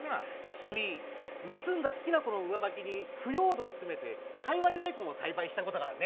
君、盗んだ好きな子の上履きに腐葉土を詰めて、カイワレ大根を栽培したことがあるね。